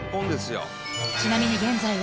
［ちなみに現在は］